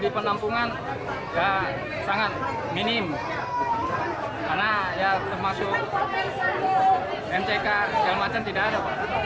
di penampungan tidak sangat minim karena termasuk mck dan macam tidak ada